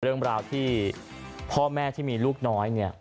เรื่องราวที่พ่อแม่ที่มีลูกน้อยเนี่ย